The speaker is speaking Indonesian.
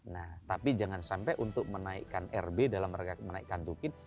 nah tapi jangan sampai untuk menaikkan rb dalam mereka menaikkan tukin